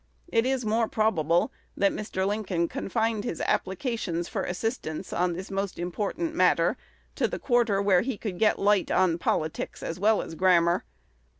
It is more probable that Mr. Lincoln confined his applications for assistance on this most important matter to the quarter where he could get light on politics as well as grammar.